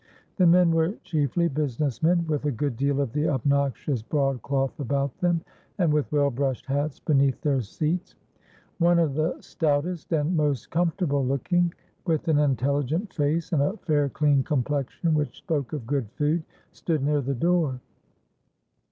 The men were chiefly business men, with a good deal of the obnoxious "broadcloth" about them, and with well brushed hats beneath their seats. One of the stoutest and most comfortable looking, with an intelligent face and a fair clean complexion which spoke of good food, stood near the door.